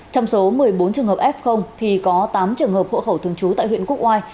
trong số một mươi bốn trường hợp f thì có tám trường hợp hộ khẩu thường trú tại huyện quốc oai